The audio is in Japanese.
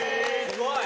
すごい！